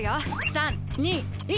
３２１。